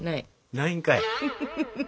ないんかい！